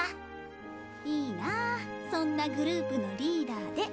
いいなあそんなグループのリーダーで。